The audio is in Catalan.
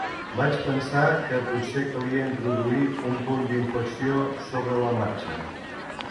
Vaig pensar que potser calia introduir un punt d'inflexió sobre la marxa.